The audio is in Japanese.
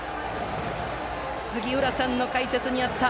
杉浦さんの解説にあった